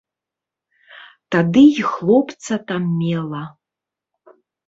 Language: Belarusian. Тады і хлопца там мела.